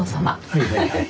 はいはいはい。